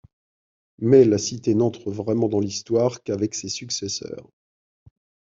Mais la cité n'entre vraiment dans l'histoire qu'avec ses successeurs.